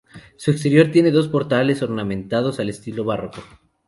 Su exterior tiene dos portales ornamentados al estilo barroco.